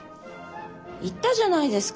言ったじゃないですか。